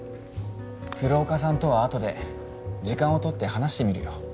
鶴岡さんとはあとで時間を取って話してみるよ